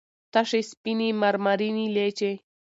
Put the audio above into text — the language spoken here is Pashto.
تشې سپينې مرمرينې لېچې